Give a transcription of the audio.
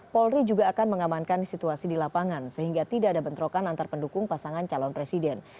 polri juga akan mengamankan situasi di lapangan sehingga tidak ada bentrokan antar pendukung pasangan calon presiden